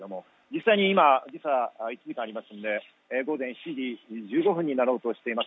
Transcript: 実際に今、時間がありますので、午前７時１５分になろうとしています。